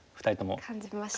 感じましたね。